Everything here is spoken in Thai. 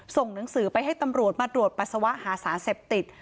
ส่งหนังสือไปให้ตำรวจมาตรวจปัสสาวะหาสารเสพติด